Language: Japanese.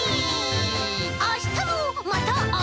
あしたもまたあおう！